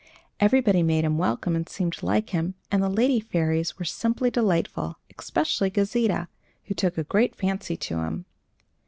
Everybody made him welcome and seemed to like him, and the lady fairies were simply delightful, especially Gauzita, who took a great fancy to him.